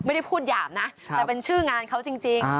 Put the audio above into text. ไม่ได้พูดหยาบนะแต่เป็นชื่องานเขาจริง